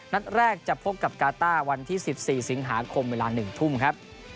นัดแรกจะพบกับกาต้าวันที่๑๔สิงหาคมเวลา๑ทุ่มครับ